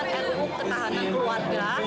ditambah juga ada tuntutan ruu ketahanan keluarga